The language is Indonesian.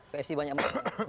psi banyak menang